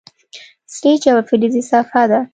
سټیج یوه فلزي صفحه ده.